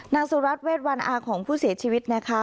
สุรัตนเวชวันอาของผู้เสียชีวิตนะคะ